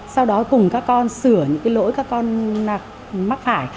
sau đó cùng các con sửa những cái lỗi các con mắc phải